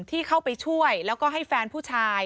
ที่เข้าไปช่วยแล้วก็ให้แฟนผู้ชาย